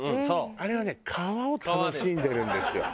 あれは皮を楽しんでるんですよ。